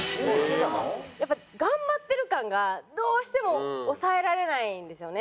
やっぱ頑張ってる感がどうしても抑えられないんですよね。